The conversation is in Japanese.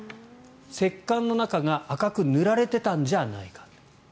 石棺の中が赤く塗られてたんじゃないか。